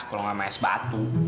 kalau gak sama es batu